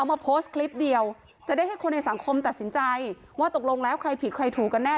มาโพสต์คลิปเดียวจะได้ให้คนในสังคมตัดสินใจว่าตกลงแล้วใครผิดใครถูกกันแน่